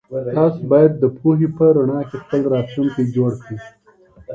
تاسو بايد د پوهي په رڼا کي خپل راتلونکی جوړ کړئ.